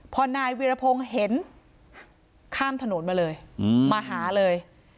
พอนายวีรพงศ์เห็นข้ามถนนมาเลยมาหาเลย